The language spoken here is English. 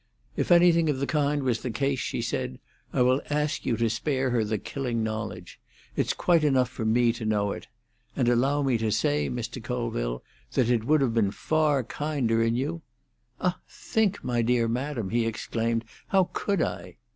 "If anything of the kind was the case," she said, "I will ask you to spare her the killing knowledge. It's quite enough for me to know it. And allow me to say, Mr. Colville, that it would have been far kinder in you—" "Ah, think, my dear madam!" he exclaimed. "How could I?"